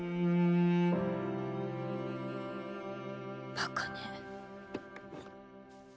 バカね。